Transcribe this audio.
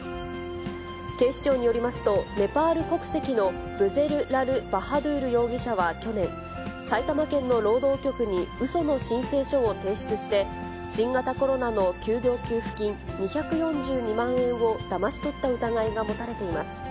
警視庁によりますと、ネパール国籍のブゼル・ラル・バハドゥール容疑者は去年、埼玉県の労働局に、うその申請書を提出して、新型コロナの休業給付金２４２万円をだまし取った疑いが持たれています。